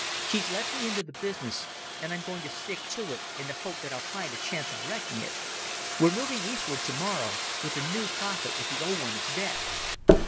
She's let me into the business, and I'm going to stick to it in the hope that I'll find a chance of wrecking it ... We're moving eastward tomorrow—with a new prophet if the old one is dead."